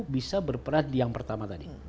bisa berperan yang pertama tadi